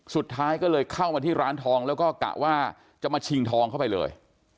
สุดท้ายก็เลยเข้ามาที่ร้านทองแล้วก็กะว่าจะมาชิงทองเข้าไปเลย